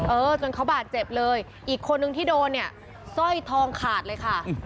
เออจนเขาบาดเจ็บเลยอีกคนนึงที่โดนเนี่ยสร้อยทองขาดเลยค่ะ